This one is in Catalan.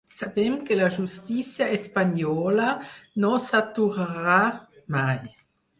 Sabem que la justícia espanyola no s’aturarà mai.